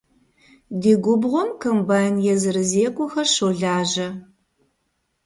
Ди губгъуэм комбайн езырызекӏуэхэр щолажьэ.